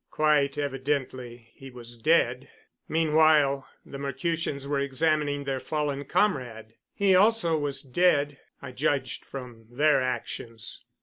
Quite evidently he was dead. Meanwhile the Mercutians were examining their fallen comrade. He also was dead, I judged from their actions.